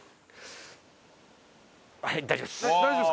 はい大丈夫です。